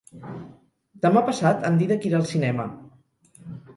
Demà passat en Dídac irà al cinema.